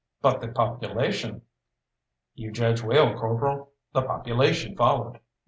"But the population!" "You judge well, corporal the population followed.